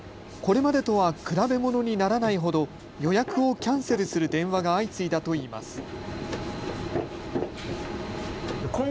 これまでとは比べものにならないほど予約をキャンセルする電話が相次いだといいます。